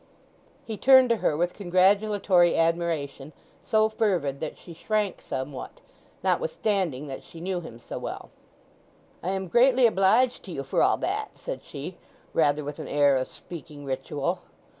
He turned to her with congratulatory admiration so fervid that she shrank somewhat, notwithstanding that she knew him so well. "I am greatly obliged to you for all that," said she, rather with an air of speaking ritual.